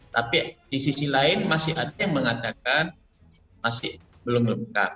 tapi di sisi lain masih ada yang mengatakan masih belum lengkap